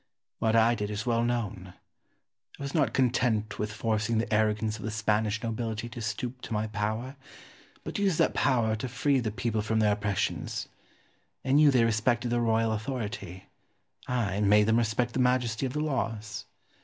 What I did is well known. I was not content with forcing the arrogance of the Spanish nobility to stoop to my power, but used that power to free the people from their oppressions. In you they respected the royal authority; I made them respect the majesty of the laws.